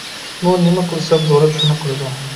ئىتمۇ نېمە قىلسام دوراپ شۇنى قىلىدۇ.